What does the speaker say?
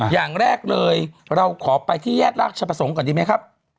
อย่างแรกเลยเราขอไปที่แยกราชประสงค์ก่อนดีไหมครับ